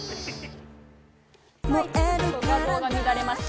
映像が乱れました。